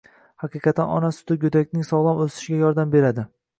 Haqiqatan, ona suti go‘dakning sog‘lom o‘sishiga yordam beradi.